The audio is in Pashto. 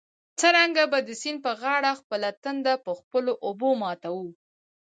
څرنګه به د سیند پر غاړه خپله تنده په خپلو اوبو ماتوو.